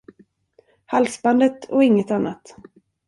Halsbandet och inget annat.